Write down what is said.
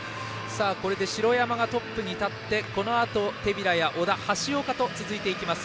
城山がトップに立ちこのあと、手平や小田、橋岡と続いていきます。